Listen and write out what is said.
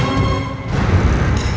aku tidak bisa beristirahat disini